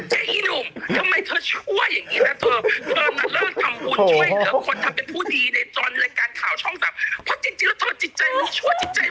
เจ๊ขี้หนุ่มทำไมเธอช่วยอย่างนี้นะเธอ